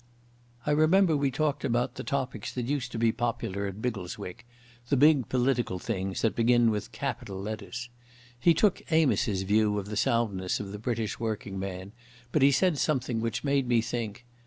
I remember we talked about the topics that used to be popular at Biggleswick—the big political things that begin with capital letters. He took Amos's view of the soundness of the British working man, but he said something which made me think.